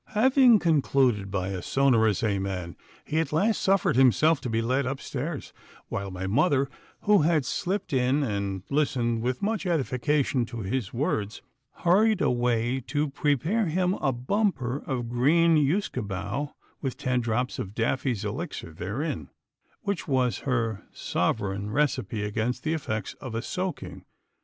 Having concluded by a sonorous amen, he at last suffered himself to be led upstairs; while my mother, who had slipped in and listened with much edification to his words, hurried away to prepare him a bumper of green usquebaugh with ten drops of Daffy's Elixir therein, which was her sovereign recipe against the effects of a soaking.